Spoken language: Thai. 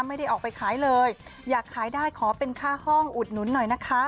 ไม่ได้ออกไปขายเลยอยากขายได้ขอเป็นค่าห้องอุดหนุนหน่อยนะคะ